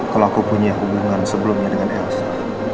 kalau aku punya hubungan sebelumnya dengan elsa